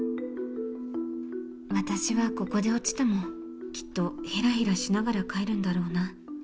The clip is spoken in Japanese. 私はここで落ちても、きっとへらへらしながら帰るんだろうな。